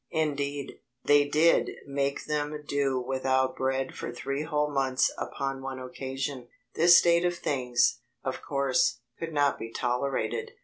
Indeed, they did make them do without bread for three whole months upon one occasion. This state of things, of course, could not be tolerated.